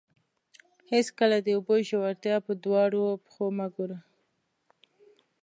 هېڅکله د اوبو ژورتیا په دواړو پښو مه ګوره.